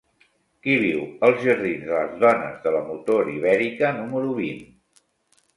Qui viu als jardins de les Dones de la Motor Ibèrica número vint?